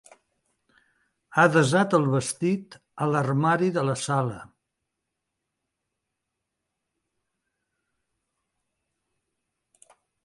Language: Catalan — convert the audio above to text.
Ha desat el vestit a l'armari de la sala.